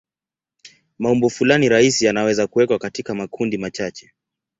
Maumbo fulani rahisi yanaweza kuwekwa katika makundi machache.